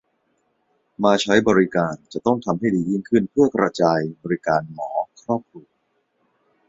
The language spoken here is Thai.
มาใช้บริการจะต้องทำให้ดียิ่งขึ้นเพื่อกระจายบริการหมอครอบครัว